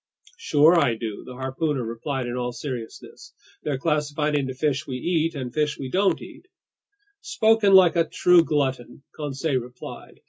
"Sure I do," the harpooner replied in all seriousness. "They're classified into fish we eat and fish we don't eat!" "Spoken like a true glutton," Conseil replied.